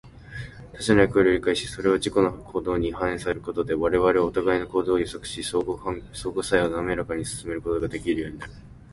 他者の役割を理解し、それを自己の行動に反映させることで、我々はお互いの行動を予測し、相互作用をなめらかに進めることができるようになる。